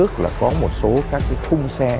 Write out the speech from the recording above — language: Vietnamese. các khu chủ